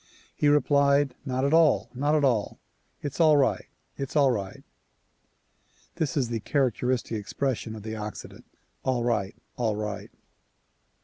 He replied "Not at all! Not at all! It's all right! It's all right!" This is the characteristic expression of the Occident,— "All right!" "All right!"